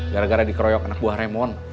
gara gara dikeroyok anak buah remon